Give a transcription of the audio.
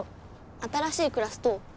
新しいクラスどう？